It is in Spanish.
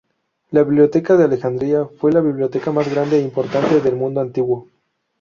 La Biblioteca de Alejandría fue la biblioteca más grande e importante del mundo antiguo.